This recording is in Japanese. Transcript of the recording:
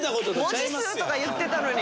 文字数とか言ってたのに。